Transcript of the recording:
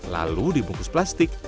lalu dibungkus plastik